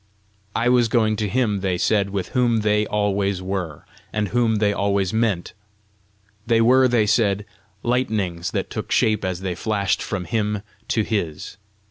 I was going to him, they said, with whom they always were, and whom they always meant; they were, they said, lightnings that took shape as they flashed from him to his.